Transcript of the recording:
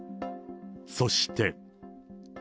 そして。